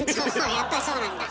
やっぱりそうなんだ。